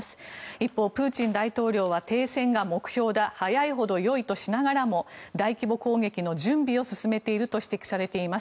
一方、プーチン大統領は停戦が目標だ早いほどよいとしながらも大規模攻撃の準備を進めていると指摘されています。